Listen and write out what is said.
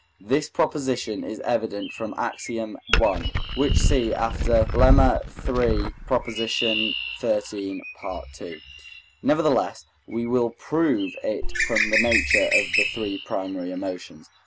This proposition is evident from Ax. i. (which see after Lemma iii. Prop. xiii., Part II.). Nevertheless, we will prove it from the nature of the three primary emotions.